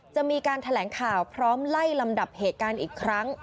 จะมีการแถลงข่าวพร้อมไล่ลำดับเหตุการณ์อีกครั้ง